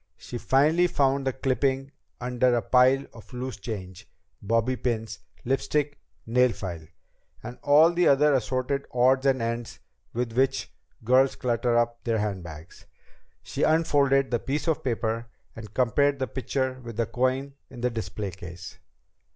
She finally found the clipping under a pile of loose change, bobby pins, lipstick, nail file and all the other assorted odds and ends with which girls clutter up their handbags. She unfolded the piece of paper and compared the picture with the coin in the display case.